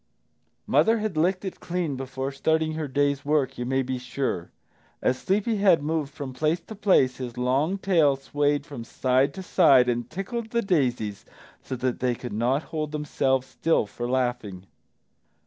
Mother had licked it clean before starting her day's work, you may be sure. As Sleepy head moved from place to place his long tail swayed from side to side and tickled the daisies so that they could not hold themselves still for laughing.